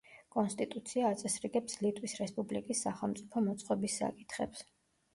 კონსტიტუცია აწესრიგებს ლიტვის რესპუბლიკის სახელმწიფო მოწყობის საკითხებს.